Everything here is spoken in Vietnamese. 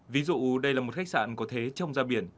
ví dụ đây là một khách sạn có thế trong gia biển